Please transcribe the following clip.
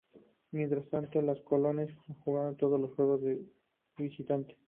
Mientras tanto, los Colonels jugar todos sus juegos de visitante.